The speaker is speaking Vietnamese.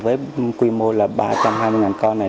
với quy mô là ba trăm hai mươi con